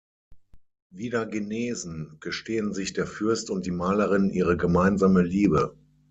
Wieder genesen gestehen sich der Fürst und die Malerin ihre gemeinsame Liebe.